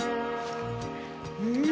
うん！